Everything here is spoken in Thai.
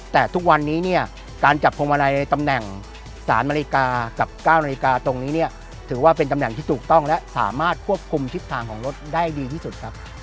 แต่ทุกวันนี้เนี่ยการจับพวงมาลัยตำแหน่ง๓นาฬิกากับ๙นาฬิกาตรงนี้เนี่ยถือว่าเป็นตำแหน่งที่ถูกต้องและสามารถควบคุมทิศทางของรถได้ดีที่สุดครับ